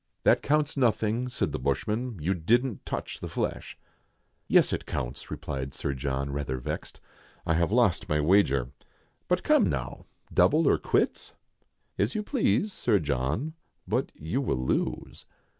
"That counts nothing," said the bushman, "you didn't touch the flesh." " Yes, it counts," replied Sir John, rather vexed ;" I have lost my wager. But come now, double or quits?" "As you please, Sir John, but you will lose."